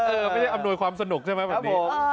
เออเออไม่ได้อำนวยความสนุกใช่ไหมแบบนี้ครับผม